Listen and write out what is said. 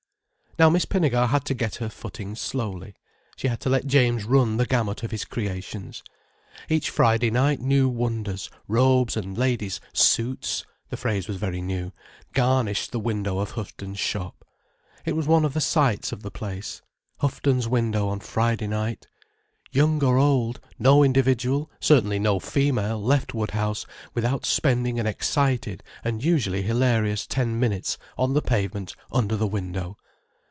Now Miss Pinnegar had to get her footing slowly. She had to let James run the gamut of his creations. Each Friday night new wonders, robes and ladies' "suits"—the phrase was very new—garnished the window of Houghton's shop. It was one of the sights of the place, Houghton's window on Friday night. Young or old, no individual, certainly no female left Woodhouse without spending an excited and usually hilarious ten minutes on the pavement under the window.